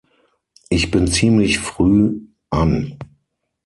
Ich bin ziemlich früh an.